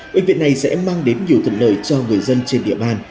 bệnh viện này sẽ mang đến nhiều thuận lợi cho người dân trên địa bàn